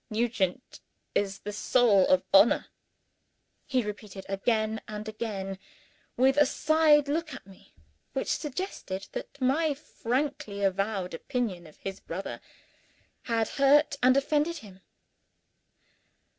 "Nugent is the soul of honor," he repeated again and again with a side look at me which suggested that my frankly avowed opinion of his brother had hurt and offended him.